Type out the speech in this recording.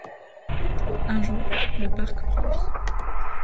Un jour, le Parc prend vie...